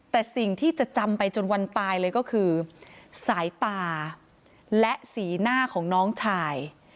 แต่สิ่งที่จะจำไปจนวันตายเลยก็คือสายตาและสีหน้าของน้องชาย